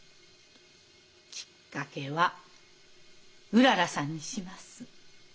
きっかけはうららさんにします。